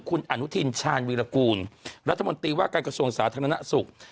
คุณอนุทินชาญวีรกูลรัฐมนตรีว่าการกระทรวงสาธารณสุข